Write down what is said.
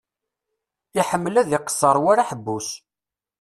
Iḥemmel ad iqesser war aḥebbus.